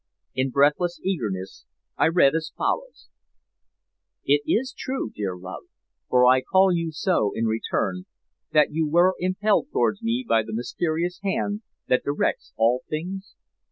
In breathless eagerness I read as follows: "Is it true, dear love for I call you so in return that you were impelled towards me by the mysterious hand that directs all things?